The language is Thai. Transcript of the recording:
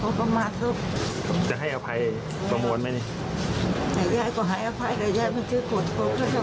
ขอประมาททุกข์